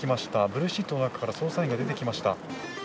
ブルーシートの中から捜査員が出てきました。